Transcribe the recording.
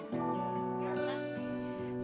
setelah setengah kering